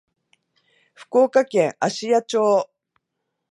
福岡県芦屋町